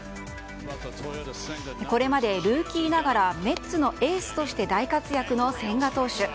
これまでルーキーながらメッツのエースとして大活躍の千賀投手。